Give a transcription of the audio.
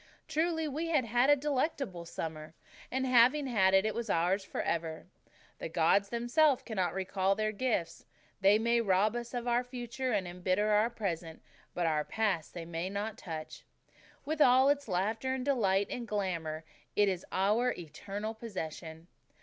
Truly, we had had a delectable summer; and, having had it, it was ours forever. "The gods themselves cannot recall their gifts." They may rob us of our future and embitter our present, but our past they may not touch. With all its laughter and delight and glamour it is our eternal possession.